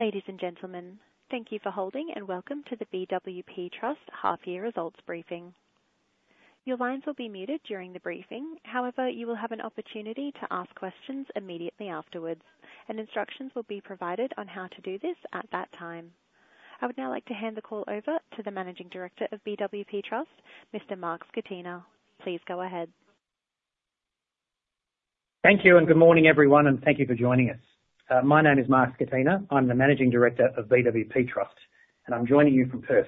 Ladies and gentlemen, thank you for holding and welcome to the BWP Trust half year results briefing. Your lines will be muted during the briefing, however, you will have an opportunity to ask questions immediately afterwards, and instructions will be provided on how to do this at that time. I would now like to hand the call over to the Managing Director of BWP Trust, Mr. Mark Scatena. Please go ahead. Thank you, and good morning, everyone, and thank you for joining us. My name is Mark Scatena. I'm the Managing Director of BWP Trust, and I'm joining you from Perth.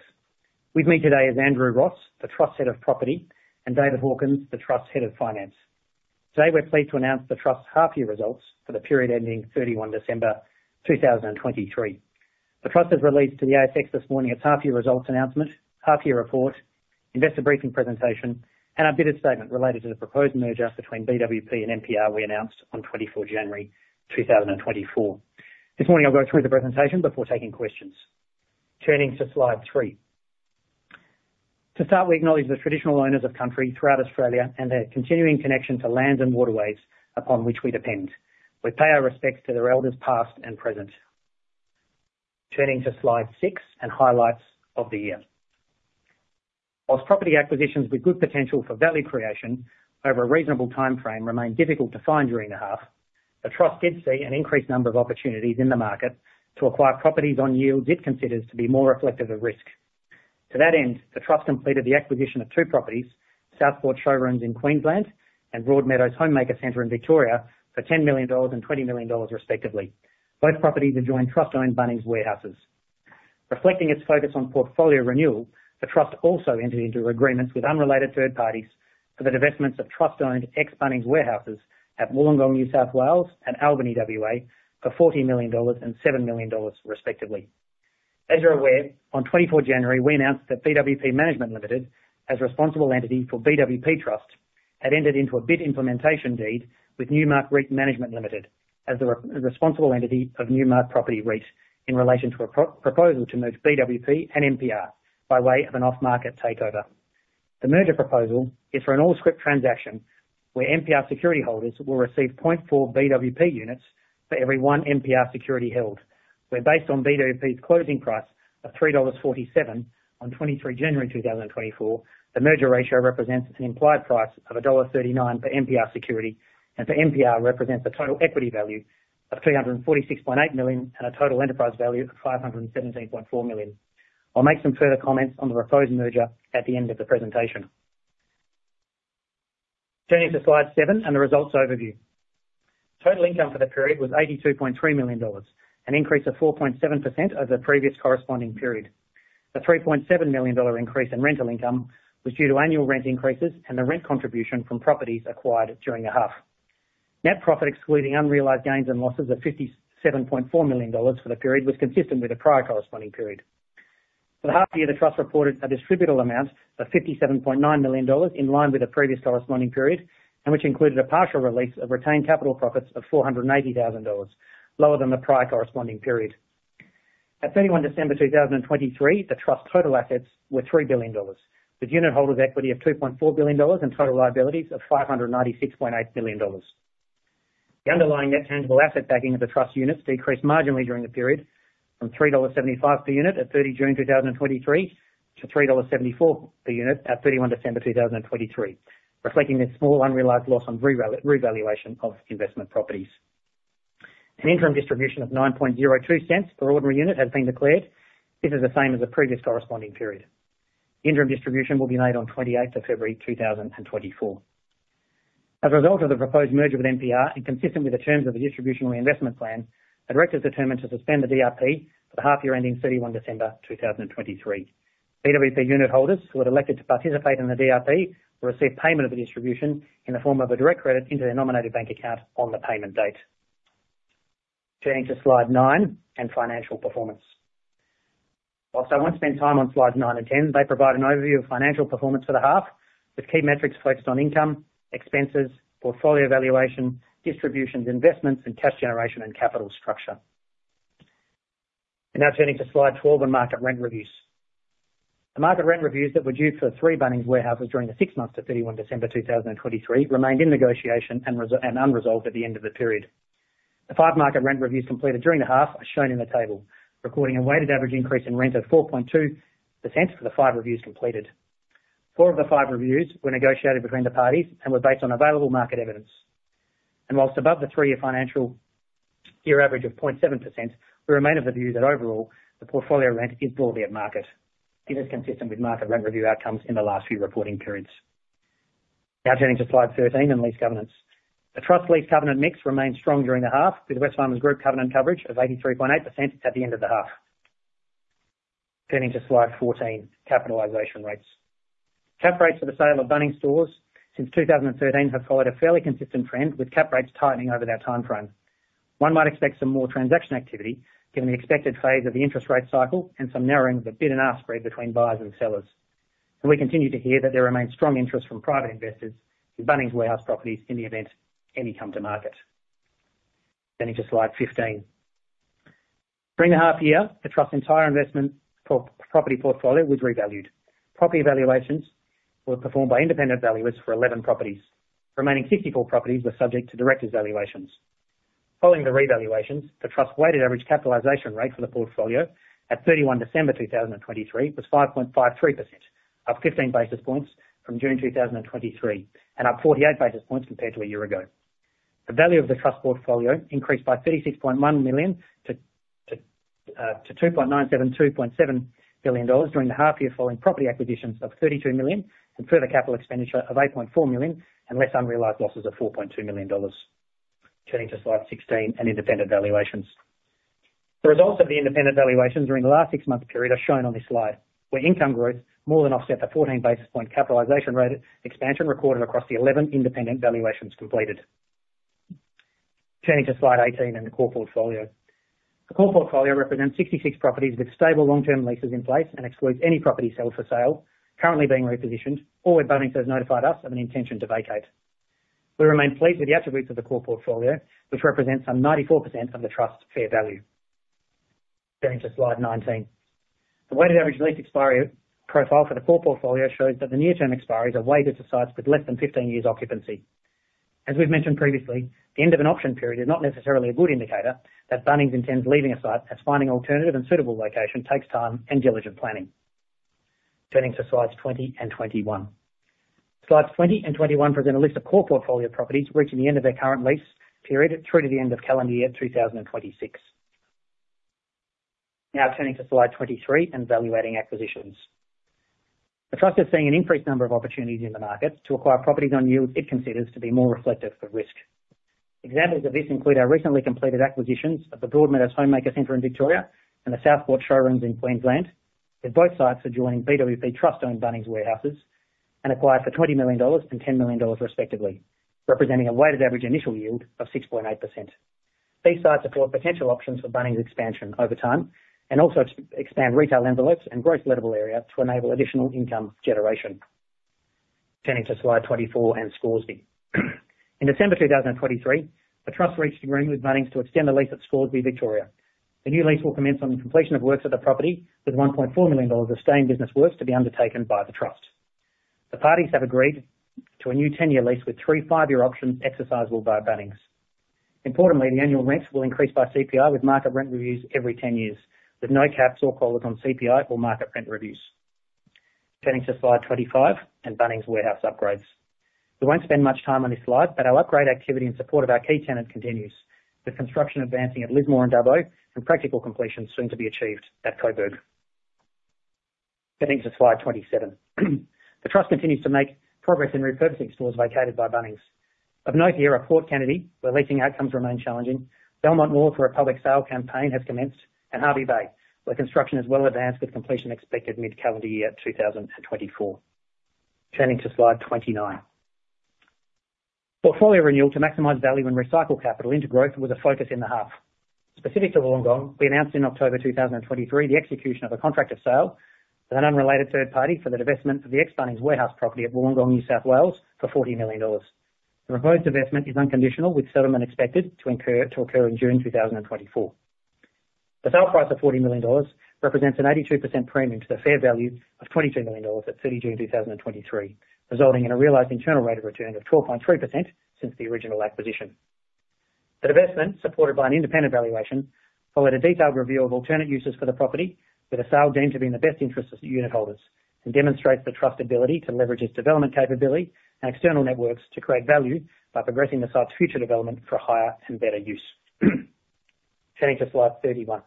With me today is Andrew Ross, the Trust's Head of Property, and David Hawkins, the Trust's Head of Finance. Today, we're pleased to announce the Trust's half-year results for the period ending 31 December 2023. The Trust has released to the ASX this morning its half-year results announcement, half-year report, investor briefing presentation, and a business statement related to the proposed merger between BWP and NPR we announced on 24 January 2024. This morning, I'll go through the presentation before taking questions. Turning to slide 3. To start, we acknowledge the traditional owners of country throughout Australia and their continuing connection to lands and waterways upon which we depend. We pay our respects to their elders, past and present. Turning to Slide 6 and highlights of the year. While property acquisitions with good potential for value creation over a reasonable timeframe remained difficult to find during the half, the Trust did see an increased number of opportunities in the market to acquire properties on yields it considers to be more reflective of risk. To that end, the Trust completed the acquisition of two properties, Southport Showrooms in Queensland and Broadmeadows Homemaker Centre in Victoria, for 10 million dollars and 20 million dollars respectively. Both properties adjoin trust-owned Bunnings warehouses. Reflecting its focus on portfolio renewal, the Trust also entered into agreements with unrelated third parties for the divestments of trust-owned ex-Bunnings warehouses at Wollongong, New South Wales, and Albany, WA, for 40 million dollars and 7 million dollars respectively. As you're aware, on 24 January, we announced that BWP Management Limited, as a responsible entity for BWP Trust, had entered into a bid implementation deed with Newmark REIT Management Limited, as the responsible entity of Newmark Property REIT, in relation to a proposal to merge BWP and NPR by way of an off-market takeover. The merger proposal is for an all-scrip transaction, where NPR security holders will receive 0.4 BWP units for every 1 NPR security held, where, based on BWP's closing price of 3.47 dollars on 23 January 2024, the merger ratio represents an implied price of dollar 1.39 for NPR security, and for NPR, represents a total equity value of 346.8 million, and a total enterprise value of 517.4 million. I'll make some further comments on the proposed merger at the end of the presentation. Turning to slide 7 and the results overview. Total income for the period was 82.3 million dollars, an increase of 4.7% over the previous corresponding period. The 3.7 million dollar increase in rental income was due to annual rent increases and the rent contribution from properties acquired during the half. Net profit, excluding unrealized gains and losses of 57.4 million dollars for the period, was consistent with the prior corresponding period. For the half year, the Trust reported a distributable amount of 57.9 million dollars, in line with the previous corresponding period, and which included a partial release of retained capital profits of 480,000 dollars, lower than the prior corresponding period. At 31 December 2023, the Trust's total assets were 3 billion dollars, with unit holders' equity of 2.4 billion dollars, and total liabilities of 596.8 million dollars. The underlying net tangible asset backing of the Trust units decreased marginally during the period from 3.75 dollars per unit at 30 June 2023, to 3.74 dollars per unit at 31 December 2023, reflecting a small, unrealized loss on revaluation of investment properties. An interim distribution of 0.0902 per ordinary unit has been declared. This is the same as the previous corresponding period. Interim distribution will be made on 28 February 2024. As a result of the proposed merger with NPR, and consistent with the terms of the Distribution Reinvestment Plan, the directors determined to suspend the DRP for the half year ending 31 December 2023. BWP unit holders who had elected to participate in the DRP will receive payment of the distribution in the form of a direct credit into their nominated bank account on the payment date. Turning to slide 9 and financial performance. While I won't spend time on slides 9 and 10, they provide an overview of financial performance for the half, with key metrics focused on income, expenses, portfolio evaluation, distributions, investments, and cash generation and capital structure. Now turning to slide 12 on market rent reviews. The market rent reviews that were due for 3 Bunnings warehouses during the six months to 31 December 2023 remained in negotiation and unresolved at the end of the period. The 5 market rent reviews completed during the half are shown in the table, recording a weighted average increase in rent of 4.2% for the 5 reviews completed. 4 of the 5 reviews were negotiated between the parties and were based on available market evidence. And while above the three-year financial year average of 0.7%, we remain of the view that overall, the portfolio rent is broadly at market. It is consistent with market rent review outcomes in the last few reporting periods. Now, turning to slide 13 on lease governance. The Trust's lease covenant mix remained strong during the half, with Wesfarmers covenant coverage of 83.8% at the end of the half. Turning to slide 14, capitalization rates. Cap rates for the sale of Bunnings stores since 2013 have followed a fairly consistent trend, with cap rates tightening over that timeframe. One might expect some more transaction activity, given the expected phase of the interest rate cycle and some narrowing of the bid and ask spread between buyers and sellers. And we continue to hear that there remains strong interest from private investors with Bunnings warehouse properties in the event any come to market. Turning to slide 15. During the half year, the Trust's entire investment property portfolio was revalued. Property valuations were performed by independent valuers for 11 properties. Remaining 54 properties were subject to director's valuations. Following the revaluations, the Trust's weighted average capitalization rate for the portfolio at 31 December 2023 was 5.53%, up 15 basis points from June 2023, and up 48 basis points compared to a year ago. The value of the Trust portfolio increased by 36.1 million-2.9727 billion dollars during the half year, following property acquisitions of 32 million and further capital expenditure of 8.4 million and less unrealized losses of 4.2 million dollars. Turning to slide 16 and independent valuations. The results of the independent valuations during the last six-month period are shown on this slide, where income growth more than offset the 14 basis point capitalization rate expansion recorded across the 11 independent valuations completed. Turning to slide 18 and the core portfolio. The core portfolio represents 66 properties with stable long-term leases in place and excludes any property sold for sale, currently being repositioned, or where Bunnings has notified us of an intention to vacate. We remain pleased with the attributes of the core portfolio, which represents some 94% of the Trust's fair value. Turning to slide 19. The weighted average lease expiry profile for the core portfolio shows that the near-term expiries are weighted to sites with less than 15 years occupancy. As we've mentioned previously, the end of an option period is not necessarily a good indicator that Bunnings intends leaving a site, as finding alternative and suitable location takes time and diligent planning. Turning to slides 20 and 21. Slides 20 and 21 present a list of core portfolio properties reaching the end of their current lease period through to the end of calendar year 2026. Now turning to slide 23 and valuing acquisitions. The Trust is seeing an increased number of opportunities in the market to acquire properties on yields it considers to be more reflective of risk. Examples of this include our recently completed acquisitions of the Broadmeadows Homemaker Centre in Victoria and the Southport Showrooms in Queensland, with both sites adjoining BWP Trust-owned Bunnings warehouses and acquired for 20 million dollars and 10 million dollars, respectively, representing a weighted average initial yield of 6.8%. These sites afford potential options for Bunnings expansion over time and also expand retail envelopes and growth lettable area to enable additional income generation. Turning to slide 24 and Scoresby. In December 2023, the Trust reached an agreement with Bunnings to extend the lease at Scoresby, Victoria. The new lease will commence on the completion of works at the property, with 1.4 million dollars of staging business works to be undertaken by the Trust. The parties have agreed to a new 10-year lease with three five-year options exercisable by Bunnings. Importantly, the annual rents will increase by CPI, with market rent reviews every 10 years, with no caps or collars on CPI or market rent reviews. Turning to slide 25 and Bunnings warehouse upgrades. We won't spend much time on this slide, but our upgrade activity in support of our key tenant continues, with construction advancing at Lismore and Dubbo and practical completion soon to be achieved at Coburg. Getting to slide 27. The Trust continues to make progress in repurposing stores vacated by Bunnings. Of note here are Port Kennedy, where leasing outcomes remain challenging. Belmont North, where a public sale campaign has commenced, and Hervey Bay, where construction is well advanced with completion expected mid-calendar year 2024. Turning to slide 29. Portfolio renewal to maximize value and recycle capital into growth was a focus in the half. Specific to Wollongong, we announced in October 2023, the execution of a contract of sale with an unrelated third party for the divestment of the ex-Bunnings warehouse property at Wollongong, New South Wales, for 40 million dollars. The proposed investment is unconditional, with settlement expected to occur in June 2024. The sale price of 40 million dollars represents an 82% premium to the fair value of 22 million dollars at 30 June 2023, resulting in a realized internal rate of return of 12.3% since the original acquisition. The divestment, supported by an independent valuation, followed a detailed review of alternate uses for the property, with a sale deemed to be in the best interest of the unitholders, and demonstrates the Trust's ability to leverage its development capability and external networks to create value by progressing the site's future development for higher and better use. Turning to slide 31.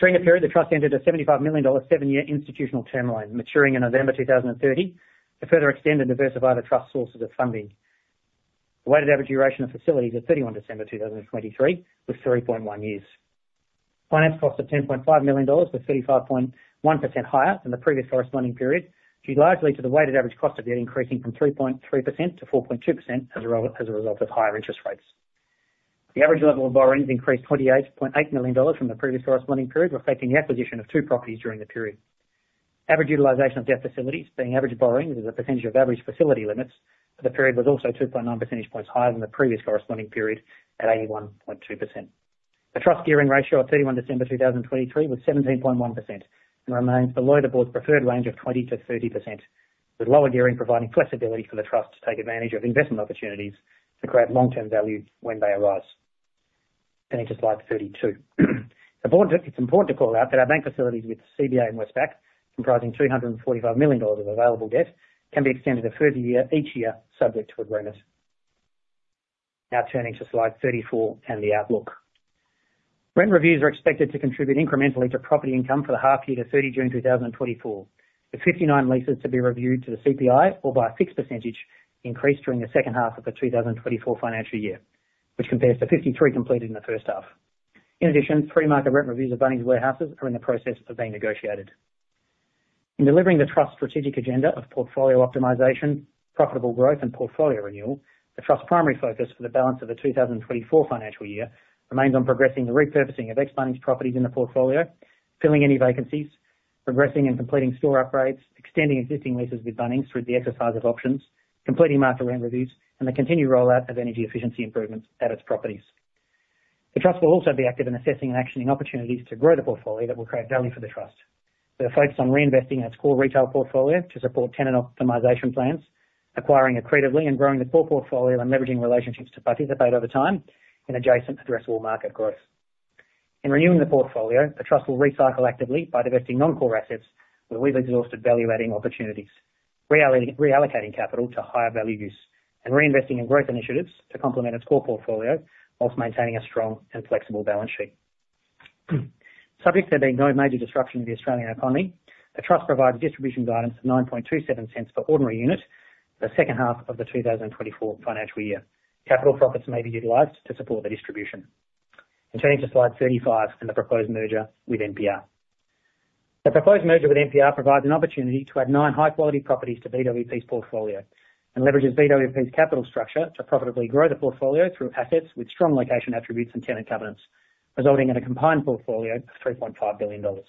During the period, the Trust entered a 75 million dollar seven-year institutional term loan, maturing in November 2030, to further extend and diversify the Trust's sources of funding. The weighted average duration of facilities at 31 December 2023 was 3.1 years. Finance costs of 10.5 million dollars was 35.1% higher than the previous corresponding period, due largely to the weighted average cost of debt increasing from 3.3% to 4.2% as a result of higher interest rates. The average level of borrowings increased 28.8 million dollars from the previous corresponding period, reflecting the acquisition of two properties during the period. Average utilization of debt facilities, being average borrowings as a percentage of average facility limits for the period, was also 2.9 percentage points higher than the previous corresponding period at 81.2%. The Trust gearing ratio at 31 December 2023 was 17.1% and remains below the board's preferred range of 20%-30%, with lower gearing providing flexibility for the Trust to take advantage of investment opportunities to create long-term value when they arise. Turning to slide 32. The board... It's important to call out that our bank facilities with CBA and Westpac, comprising 345 million dollars of available debt, can be extended a further year, each year, subject to agreements. Now turning to slide 34 and the outlook. Rent reviews are expected to contribute incrementally to property income for the half year to 30 June 2024, with 59 leases to be reviewed to the CPI or by a fixed percentage increase during the second half of the 2024 financial year, which compares to 53 completed in the first half. In addition, three market rent reviews of Bunnings warehouses are in the process of being negotiated. In delivering the Trust's strategic agenda of portfolio optimization, profitable growth, and portfolio renewal, the Trust's primary focus for the balance of the 2024 financial year remains on progressing the repurposing of ex Bunnings properties in the portfolio, filling any vacancies, progressing and completing store upgrades, extending existing leases with Bunnings through the exercise of options, completing market rent reviews, and the continued rollout of energy efficiency improvements at its properties.... The Trust will also be active in assessing and actioning opportunities to grow the portfolio that will create value for the Trust. We are focused on reinvesting in its core retail portfolio to support tenant optimization plans, acquiring accretively, and growing the core portfolio and leveraging relationships to participate over time in adjacent addressable market growth. In renewing the portfolio, the trust will recycle actively by divesting non-core assets where we've exhausted value-adding opportunities, reallocating capital to higher value use, and reinvesting in growth initiatives to complement its core portfolio, whilst maintaining a strong and flexible balance sheet. Subject to there being no major disruption to the Australian economy, the trust provides distribution guidance of 0.0927 per ordinary unit, the second half of the 2024 financial year. Capital profits may be utilized to support the distribution. And turning to slide 35, and the proposed merger with NPR. The proposed merger with NPR provides an opportunity to add 9 high-quality properties to BWP's portfolio, and leverages BWP's capital structure to profitably grow the portfolio through assets with strong location attributes and tenant covenants, resulting in a combined portfolio of 3.5 billion dollars.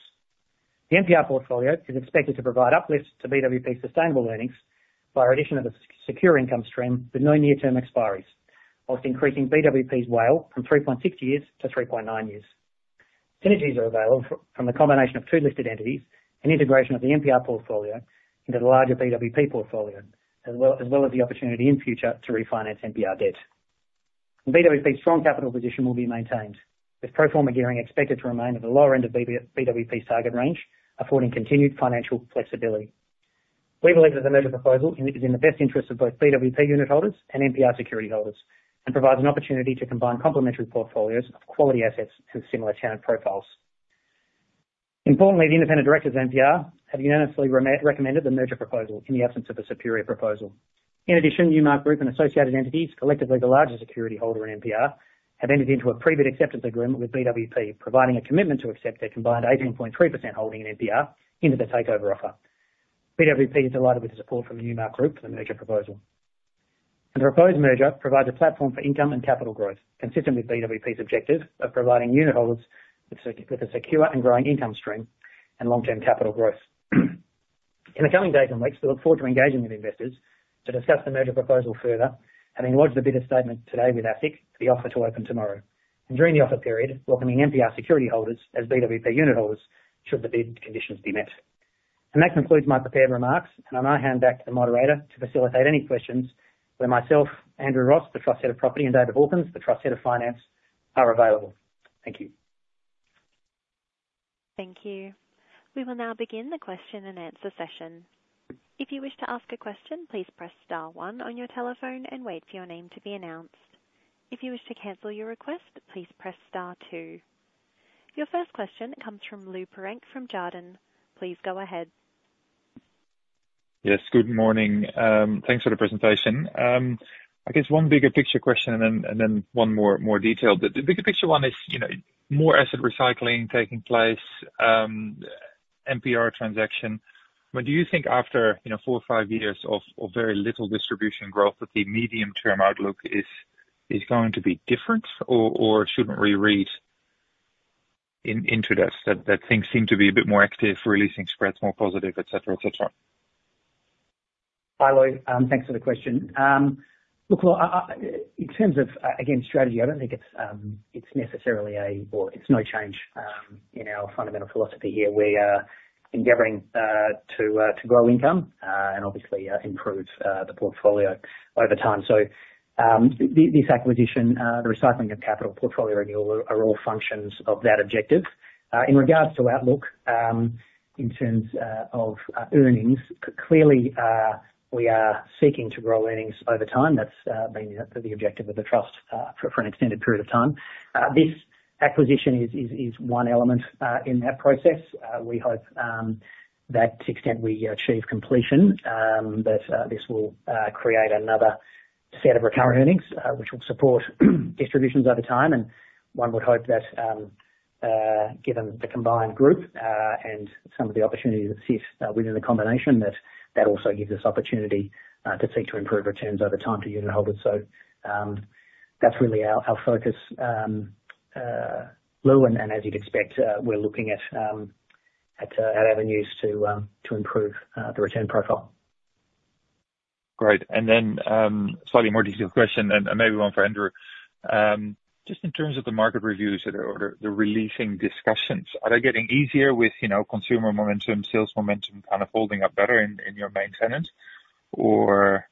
The NPR portfolio is expected to provide uplifts to BWP's sustainable earnings by addition of a secure income stream with no near-term expiries, while increasing BWP's WALE from 3.6 years to 3.9 years. Synergies are available from the combination of two listed entities and integration of the NPR portfolio into the larger BWP portfolio, as well as the opportunity in future to refinance NPR debt. BWP's strong capital position will be maintained, with pro forma gearing expected to remain at the lower end of BWP's target range, affording continued financial flexibility. We believe that the merger proposal is in the best interest of both BWP unit holders and NPR security holders, and provides an opportunity to combine complementary portfolios of quality assets and similar tenant profiles. Importantly, the independent directors of NPR have unanimously recommended the merger proposal in the absence of a superior proposal. In addition, Newmark Group and associated entities, collectively the largest security holder in NPR, have entered into a pre-bid acceptance agreement with BWP, providing a commitment to accept their combined 18.3% holding in NPR into the takeover offer. BWP is delighted with the support from the Newmark Group for the merger proposal. The proposed merger provides a platform for income and capital growth, consistent with BWP's objective of providing unitholders with a secure and growing income stream and long-term capital growth. In the coming days and weeks, we look forward to engaging with investors to discuss the merger proposal further, having lodged a bidder statement today with ASIC, the offer to open tomorrow. During the offer period, welcoming NPR security holders as BWP unitholders, should the bidding conditions be met. That concludes my prepared remarks, and I now hand back to the moderator to facilitate any questions, where myself, Andrew Ross, the Trust Head of Property, and David Hawkins, the Trust Head of Finance, are available. Thank you. Thank you. We will now begin the question and answer session. If you wish to ask a question, please press star one on your telephone and wait for your name to be announced. If you wish to cancel your request, please press star two. Your first question comes from Lou Pirenc from Jarden. Please go ahead. Yes, good morning. Thanks for the presentation. I guess one bigger picture question and then, and then one more, more detailed. But the bigger picture one is, you know, more asset recycling taking place, NPR transaction, but do you think after, you know, four or five years of, of very little distribution growth, that the medium-term outlook is, is going to be different, or, or shouldn't we read it into this, that, that things seem to be a bit more active, leasing spreads, more positive, et cetera, et cetera? Hi, Lou. Thanks for the question. Look, well, in terms of, again, strategy, I don't think it's necessarily a... or it's no change in our fundamental philosophy here. We are endeavoring to grow income and obviously improve the portfolio over time. So, this acquisition, the recycling of capital, portfolio renewal, are all functions of that objective. In regards to outlook, in terms of earnings, clearly we are seeking to grow earnings over time. That's been the objective of the trust for an extended period of time. This acquisition is one element in that process. We hope that to the extent we achieve completion, that this will create another set of recurrent earnings, which will support distributions over time. And one would hope that given the combined group and some of the opportunities that sit within the combination, that that also gives us opportunity to seek to improve returns over time to unitholders. So, that's really our focus, Lou, and as you'd expect, we're looking at avenues to improve the return profile. Great. And then, slightly more detailed question, and maybe one for Andrew. Just in terms of the market reviews or the releasing discussions, are they getting easier with, you know, consumer momentum, sales momentum, kind of holding up better in, in your main tenants? Or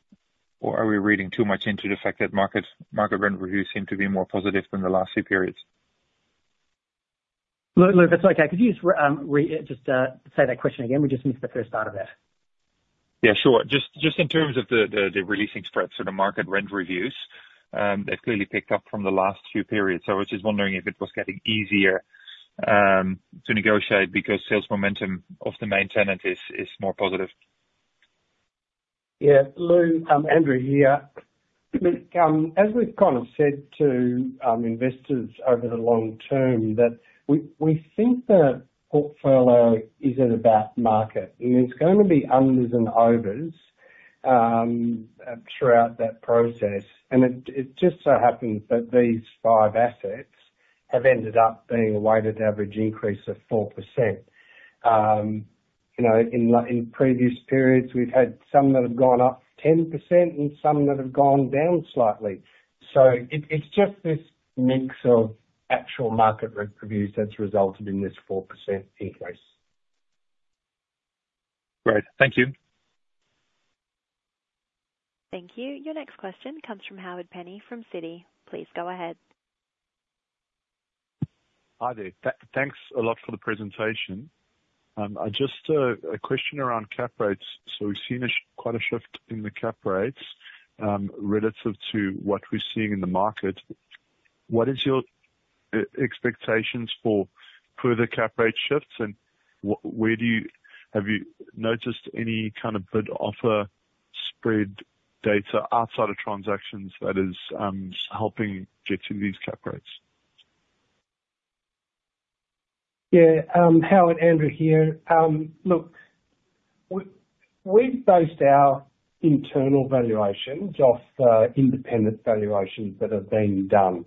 are we reading too much into the fact that market rent reviews seem to be more positive than the last few periods? Lou, Lou, that's okay. Could you just say that question again? We just missed the first part of it. Yeah, sure. Just in terms of the releasing spreads or the market rent reviews, they've clearly picked up from the last few periods, so I was just wondering if it was getting easier to negotiate because sales momentum of the main tenant is more positive. Yeah, Lou, Andrew here. Look, as we've kind of said to, investors over the long term, that we, we think the portfolio is at about market, and it's gonna be unders and overs, throughout that process. And it, it just so happens that these five assets have ended up being a weighted average increase of 4%, you know, in, in previous periods, we've had some that have gone up 10% and some that have gone down slightly. So it, it's just this mix of actual market rent reviews that's resulted in this 4% increase. Great. Thank you. Thank you. Your next question comes from Howard Penny from Citi. Please go ahead. Hi there. Thanks a lot for the presentation. I just a question around cap rates. So we've seen quite a shift in the cap rates relative to what we're seeing in the market. What is your expectations for further cap rate shifts, and where do you... Have you noticed any kind of bid-offer spread data outside of transactions that is helping get to these cap rates? Yeah, Howard, Andrew here. Look, we've based our internal valuations off independent valuations that have been done.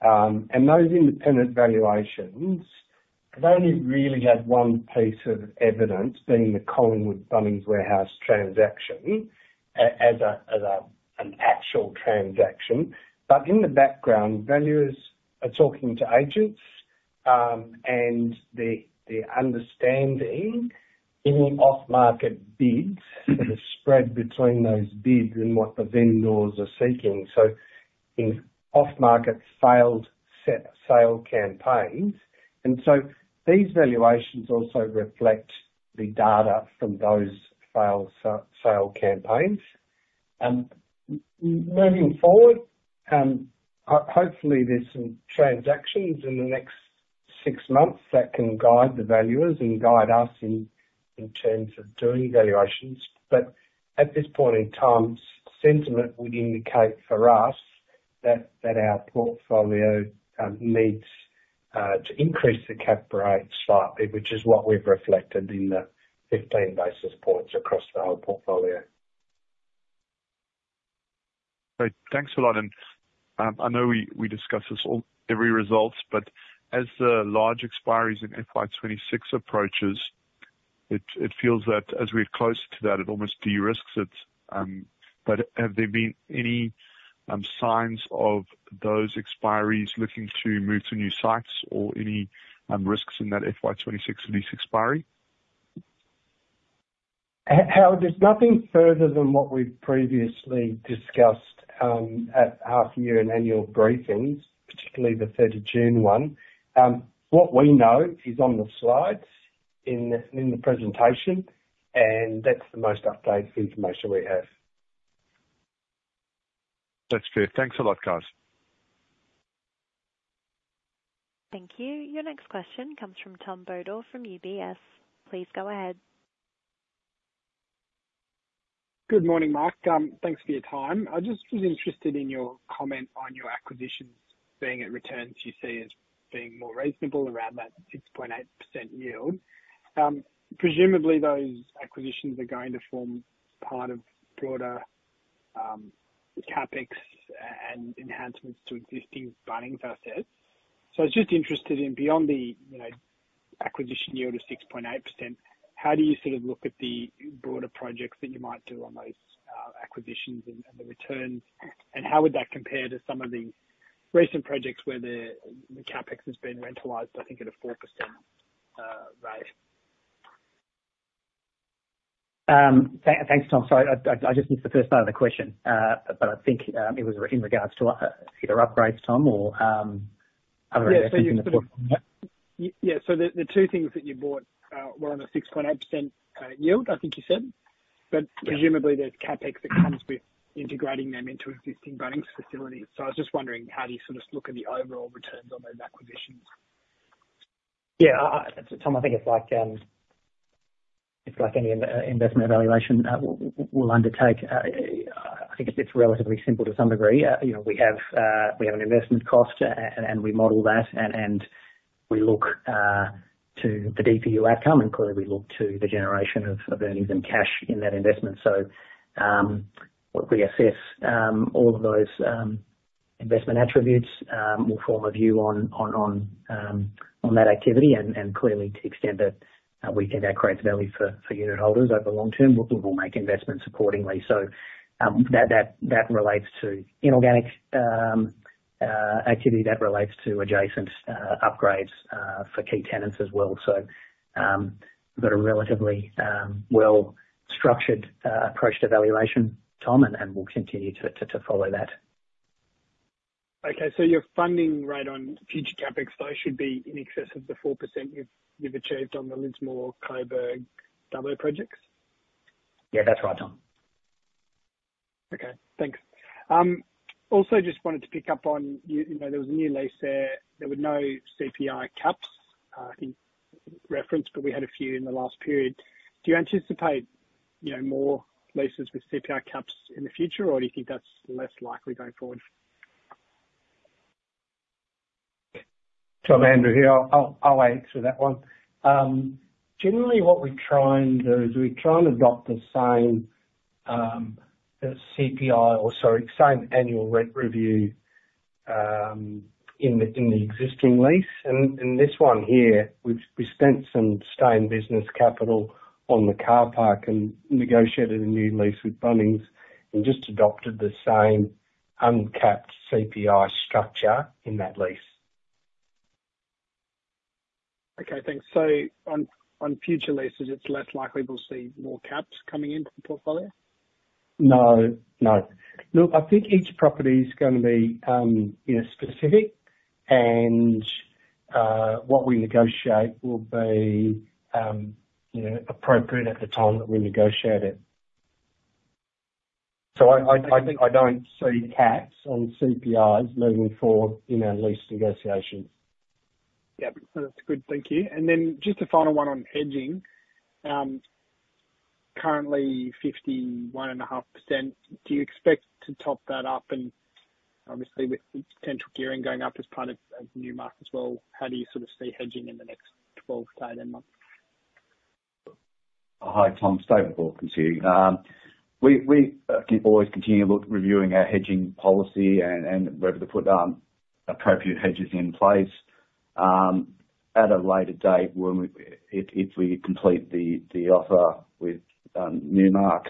And those independent valuations, they only really had one piece of evidence, being the Collingwood Bunnings Warehouse transaction, as an actual transaction. But in the background, valuers are talking to agents, and the understanding in off-market bids and the spread between those bids and what the vendors are seeking. So in off-market failed sale campaigns, and so these valuations also reflect the data from those failed sale campaigns. And moving forward, hopefully there's some transactions in the next six months that can guide the valuers and guide us in terms of doing valuations. But at this point in time, sentiment would indicate for us that our portfolio needs to increase the cap rate slightly, which is what we've reflected in the 15 basis points across the whole portfolio. Great. Thanks a lot. And, I know we discuss this all, every results, but as the large expiries in FY 26 approaches, it feels that as we get closer to that, it almost de-risks it. But have there been any signs of those expiries looking to move to new sites or any risks in that FY 26 lease expiry? Howard, there's nothing further than what we've previously discussed at half year and annual briefings, particularly the third of June one. What we know is on the slides in the presentation, and that's the most updated information we have. That's fair. Thanks a lot, guys. Thank you. Your next question comes from Tom Burdel from UBS. Please go ahead. Good morning, Mark. Thanks for your time. I just was interested in your comment on your acquisitions being at returns you see as being more reasonable around that 6.8% yield. Presumably those acquisitions are going to form part of broader CapEx and enhancements to existing Bunnings assets. So I was just interested in beyond the, you know, acquisition yield of 6.8%, how do you sort of look at the broader projects that you might do on those acquisitions and the returns? And how would that compare to some of the recent projects where the CapEx has been rentalized, I think, at a 4% rate. Thanks, Tom. Sorry, I just missed the first part of the question. But I think it was in regards to either upgrades, Tom, or other- Yeah, so the two things that you bought were on a 6.8% yield, I think you said. Yeah. But presumably there's CapEx that comes with integrating them into existing Bunnings facilities. So I was just wondering, how do you sort of look at the overall returns on those acquisitions? Yeah, Tom, I think it's like, it's like any investment evaluation we'll undertake. I think it's relatively simple to some degree. You know, we have an investment cost, and we model that, and we look to the DPU outcome, and clearly we look to the generation of earnings and cash in that investment. So, we assess all of those investment attributes, we'll form a view on that activity and clearly to the extent that we get accretive value for unit holders over the long term, we'll make investments accordingly. So, that relates to inorganic activity that relates to adjacent upgrades for key tenants as well. So, we've got a relatively well-structured approached evaluation, Tom, and we'll continue to follow that. Okay, so your funding rate on future CapEx, though, should be in excess of the 4% you've achieved on the Lismore, Kyabram, Dubbo projects? Yeah, that's right, Tom. Okay, thanks. Also just wanted to pick up on you-- you know, there was a new lease there. There were no CPI caps, I think, referenced, but we had a few in the last period. Do you anticipate, you know, more leases with CPI caps in the future, or do you think that's less likely going forward? Tom, Andrew here. I'll, I'll answer that one. Generally, what we're trying to do is we're trying to adopt the same, CPI or sorry, same annual rent review in the existing lease. And this one here, we spent some significant business capital on the car park and negotiated a new lease with Bunnings and just adopted the same uncapped CPI structure in that lease. Okay, thanks. So on future leases, it's less likely we'll see more caps coming into the portfolio? No. No. Look, I think each property is gonna be, you know, specific, and what we negotiate will be, you know, appropriate at the time that we negotiate it. So I think I don't see caps on CPIs moving forward in our lease negotiations. Yep, that's good. Thank you. And then just a final one on hedging. Currently 51.5%. Do you expect to top that up? And obviously with potential gearing going up as part of Newmark as well, how do you sort of see hedging in the next 12-18 months? Hi, Tom. David Hawkins here. We always continue look reviewing our hedging policy and whether to put appropriate hedges in place. At a later date, when we—if we complete the offer with Newmark,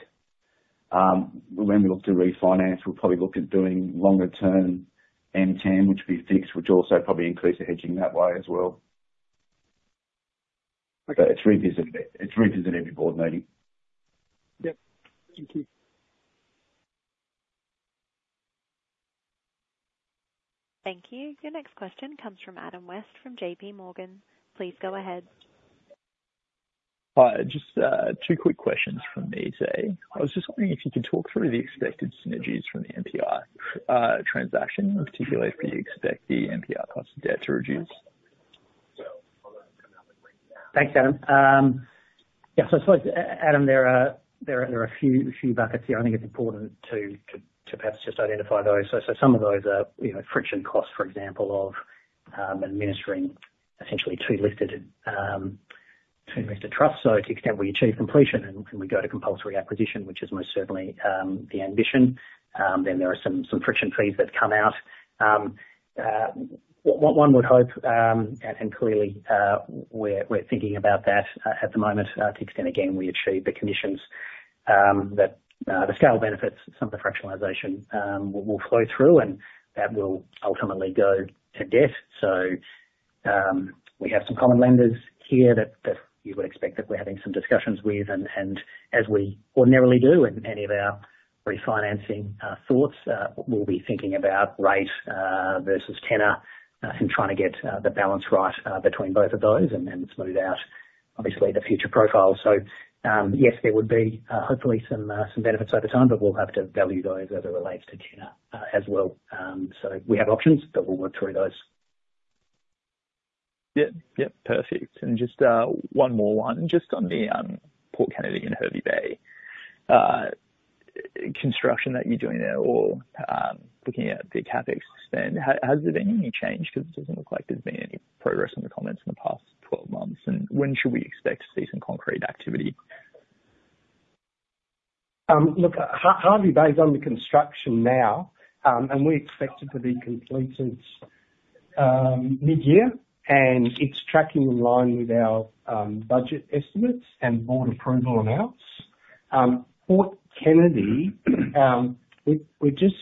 when we look to refinance, we'll probably look at doing longer-term MTAM, which will be fixed, which also probably increase the hedging that way as well. Okay. It's revisited, it's revisited every board meeting. Yep. Thank you. Thank you. Your next question comes from Adam West, from JPMorgan. Please go ahead. Hi, just, two quick questions from me today. I was just wondering if you could talk through the expected synergies from the NPR, transaction, and particularly if you expect the NPR cost of debt to reduce. Thanks, Adam. Yeah, so I suppose, Adam, there are a few buckets here. I think it's important to perhaps just identify those. So some of those are, you know, friction costs, for example, of administering essentially two listed trusts. So to the extent we achieve completion and we go to compulsory acquisition, which is most certainly the ambition, then there are some friction fees that come out. What one would hope, and clearly, we're thinking about that at the moment, to the extent, again, we achieve the conditions, that the scale benefits, some of the fractionalization, will flow through and that will ultimately go to debt. So, we have some common lenders here that you would expect that we're having some discussions with, and as we ordinarily do in any of our refinancing thoughts, we'll be thinking about rate versus tenor and trying to get the balance right between both of those and then smooth out, obviously, the future profile. So, yes, there would be hopefully some benefits over time, but we'll have to value those as it relates to tenor as well. So we have options, but we'll work through those. Yep. Yep, perfect. And just one more one. Just on the Port Kennedy in Hervey Bay construction that you're doing there or looking at a big CapEx spend. Has there been any change? Because it doesn't look like there's been any progress in the comments in the past 12 months. And when should we expect to see some concrete activity? Look, Hervey Bay is under construction now, and we expect it to be completed mid-year, and it's tracking in line with our budget estimates and board approval amounts. Port Kennedy, we're just...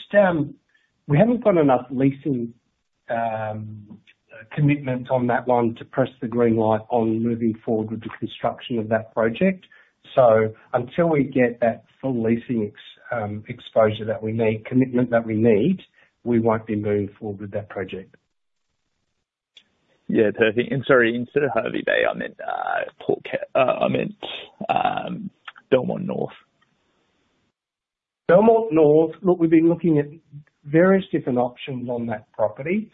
We haven't got enough leasing commitment on that one to press the green light on moving forward with the construction of that project. So until we get that full leasing exposure that we need, commitment that we need, we won't be moving forward with that project. Yeah, perfect. And sorry, instead of Hervey Bay, I meant Belmont North. Belmont North, look, we've been looking at various different options on that property,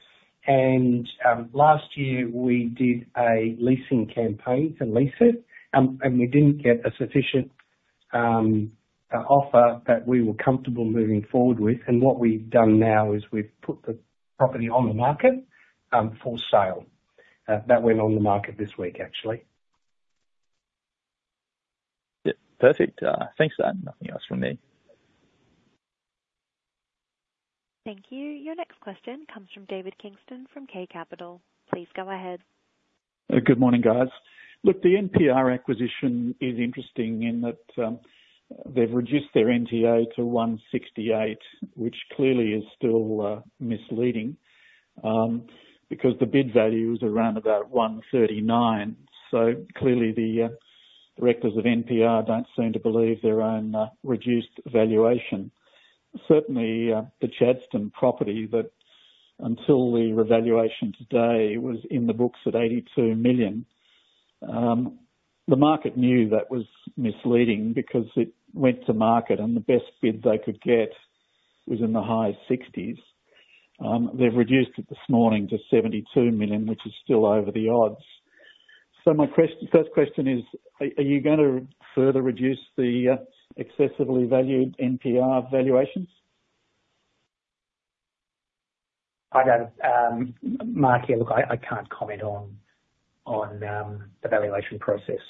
and last year we did a leasing campaign to lease it, and we didn't get a sufficient offer that we were comfortable moving forward with. What we've done now is we've put the property on the market for sale. That went on the market this week, actually. Yep, perfect. Thanks for that. Nothing else from me. Thank you. Your next question comes from David Kingston from K Capital. Please go ahead. Good morning, guys. Look, the NPR acquisition is interesting in that, they've reduced their NTA to 1.68, which clearly is still misleading, because the bid value is around about 1.39. So clearly the directors of NPR don't seem to believe their own reduced valuation. Certainly, the Chadstone property, that until the revaluation today, was in the books at 82 million. The market knew that was misleading because it went to market, and the best bid they could get was in the high 60s. They've reduced it this morning to 72 million, which is still over the odds. So my first question is, are you going to further reduce the excessively valued NPR valuations? Hi, David. Mark here. Look, I can't comment on the valuation process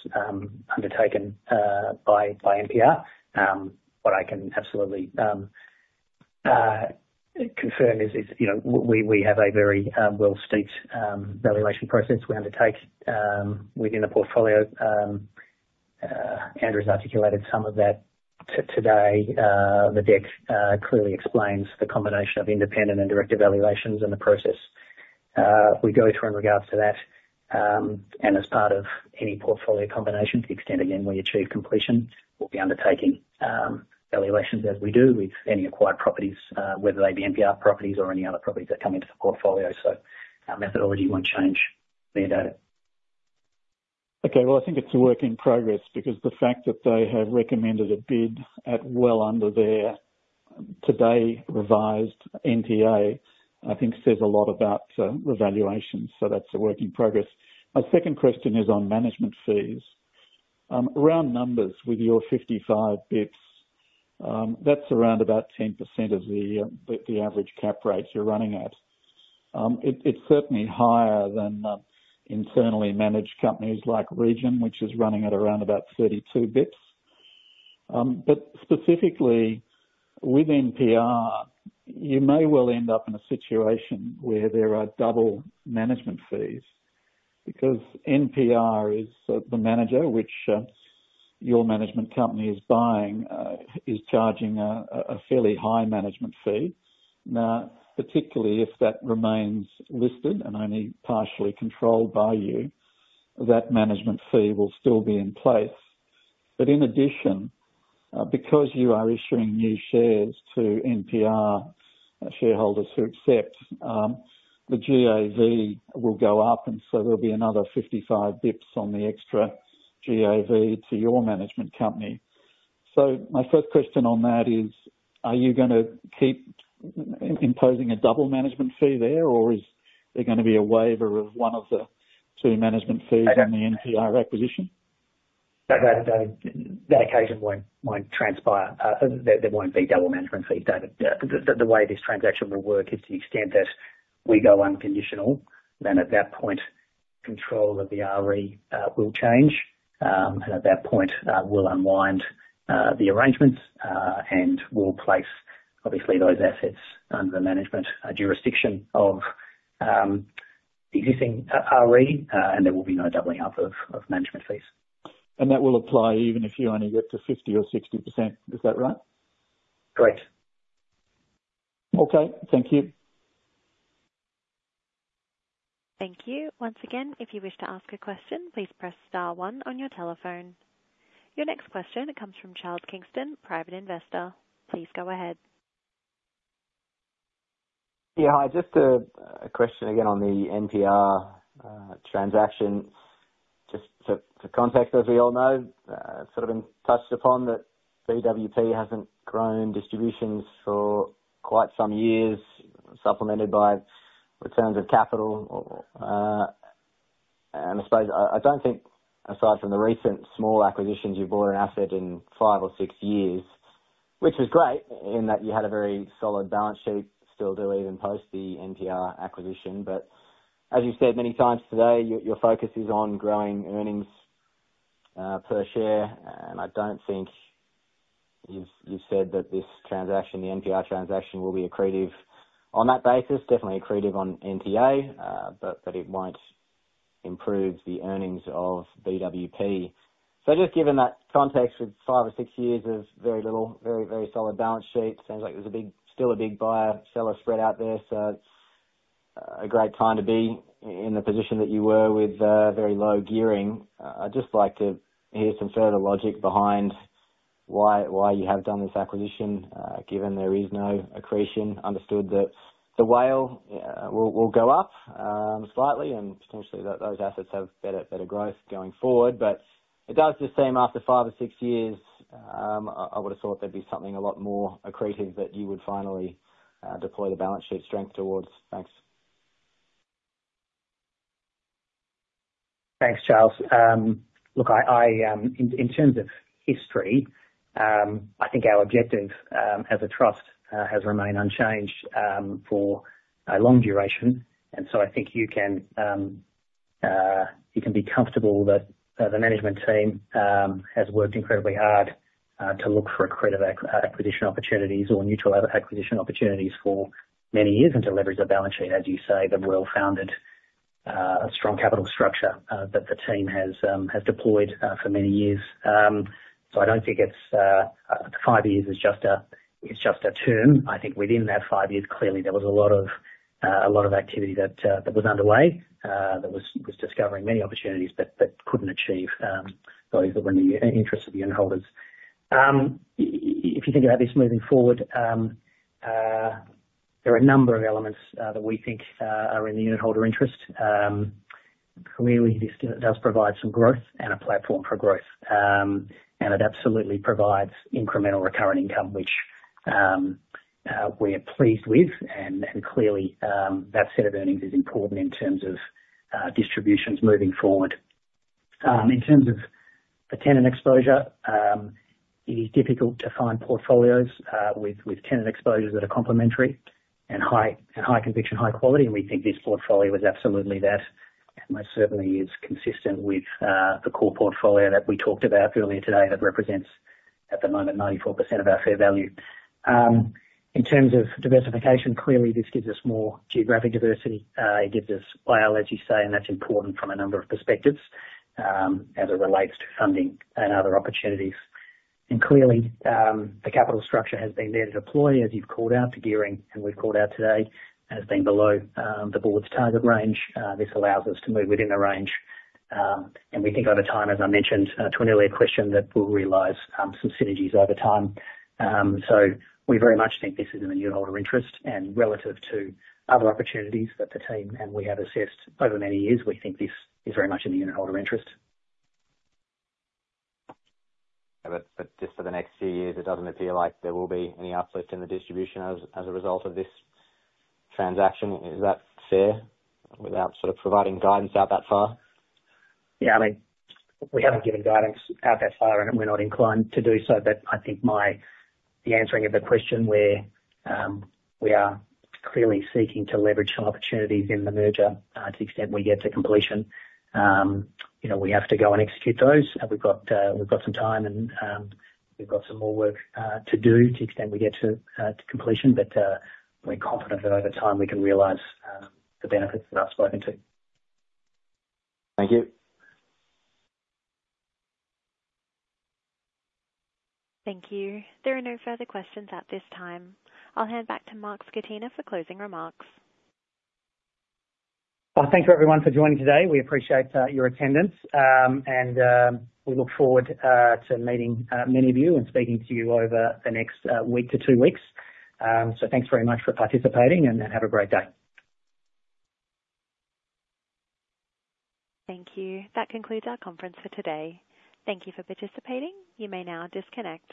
undertaken by NPR. What I can absolutely confirm is, you know, we have a very well-steeped valuation process we undertake within the portfolio. Andrew's articulated some of that today. The deck clearly explains the combination of independent and direct evaluations and the process we go through in regards to that. And as part of any portfolio combination, to the extent, again, we achieve completion, we'll be undertaking evaluations as we do with any acquired properties, whether they be NPR properties or any other properties that come into the portfolio. So our methodology won't change, David. Okay, well, I think it's a work in progress because the fact that they have recommended a bid at well under their today revised NTA, I think says a lot about the valuation. So that's a work in progress. My second question is on management fees. Round numbers with your 55 bps, that's around about 10% of the average cap rates you're running at. It's certainly higher than internally managed companies like Region, which is running at around about 32 bps. But specifically with NPR, you may well end up in a situation where there are double management fees because NPR is the manager which your management company is buying is charging a fairly high management fee. Now, particularly if that remains listed and only partially controlled by you, that management fee will still be in place. But in addition, because you are issuing new shares to NPR shareholders who accept, the GAV will go up, and so there'll be another 55 bps on the extra GAV to your management company. So my first question on that is, are you gonna keep imposing a double management fee there, or is there gonna be a waiver of one of the two management fees in the NPR acquisition? That occasion won't transpire. There won't be double management fees, David. The way this transaction will work is to the extent that we go unconditional, then at that point, control of the RE will change. And at that point, we'll unwind the arrangements, and we'll place obviously those assets under the management jurisdiction of the existing RE, and there will be no doubling up of management fees. That will apply even if you only get to 50% or 60%. Is that right? Correct. Okay. Thank you. Thank you. Once again, if you wish to ask a question, please press star one on your telephone. Your next question comes from Charles Kingston, private investor. Please go ahead. Yeah, hi. Just a question again on the NPR transaction. Just to context, as we all know, sort of been touched upon, that BWP hasn't grown distributions for quite some years, supplemented by returns of capital. And I suppose I don't think aside from the recent small acquisitions, you've bought an asset in five or six years, which is great in that you had a very solid balance sheet. Still do, even post the NPR acquisition. But as you've said many times today, your focus is on growing earnings per share, and I don't think you've said that this transaction, the NPR transaction, will be accretive on that basis, definitely accretive on NTA, but it won't improve the earnings of BWP. So just given that context, with five or six years of very little, very, very solid balance sheets, sounds like there's a big, still a big buyer-seller spread out there, so it's a great time to be in the position that you were with very low gearing. I'd just like to hear some further logic behind why, why you have done this acquisition, given there is no accretion. Understood that the WALE will go up slightly and potentially those assets have better, better growth going forward. But it does just seem after five or six years, I would've thought there'd be something a lot more accretive that you would finally deploy the balance sheet strength towards. Thanks. Thanks, Charles. Look, in terms of history, I think our objective as a trust has remained unchanged for a long duration. So I think you can be comfortable that the management team has worked incredibly hard to look for accretive acquisition opportunities or neutral acquisition opportunities for many years, and to leverage the balance sheet, as you say, the well-founded strong capital structure that the team has deployed for many years. So I don't think it's five years; it's just a term. I think within that five years, clearly there was a lot of activity that was underway that was discovering many opportunities that couldn't achieve those that were in the interest of the unitholders. If you think about this moving forward, there are a number of elements that we think are in the unitholder interest. Clearly, this does provide some growth and a platform for growth. And it absolutely provides incremental recurring income, which we're pleased with. And clearly, that set of earnings is important in terms of distributions moving forward.... In terms of the tenant exposure, it is difficult to find portfolios with tenant exposures that are complementary and high, and high conviction, high quality. We think this portfolio is absolutely that, and most certainly is consistent with, the core portfolio that we talked about earlier today, that represents, at the moment, 94% of our fair value. In terms of diversification, clearly this gives us more geographic diversity. It gives us scale, as you say, and that's important from a number of perspectives, as it relates to funding and other opportunities. And clearly, the capital structure has been there to deploy, as you've called out, the gearing, and we've called out today, has been below, the board's target range. This allows us to move within the range, and we think over time, as I mentioned, to an earlier question, that we'll realize, some synergies over time. So, we very much think this is in the unitholder interest and relative to other opportunities that the team and we have assessed over many years, we think this is very much in the unitholder interest. But just for the next few years, it doesn't appear like there will be any uplift in the distribution as a result of this transaction. Is that fair, without sort of providing guidance out that far? Yeah, I mean, we haven't given guidance out that far, and we're not inclined to do so. But I think the answering of the question where we are clearly seeking to leverage some opportunities in the merger, to the extent we get to completion. You know, we have to go and execute those, and we've got some time, and we've got some more work to do to the extent we get to completion. But we're confident that over time, we can realize the benefits that I've spoken to. Thank you. Thank you. There are no further questions at this time. I'll hand back to Mark Scatena for closing remarks. Well, thank you everyone for joining today. We appreciate your attendance, and we look forward to meeting many of you and speaking to you over the next week to two weeks. So thanks very much for participating, and have a great day. Thank you. That concludes our conference for today. Thank you for participating. You may now disconnect.